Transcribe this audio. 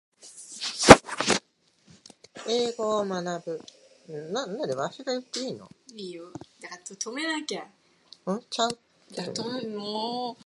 英語を学ぶ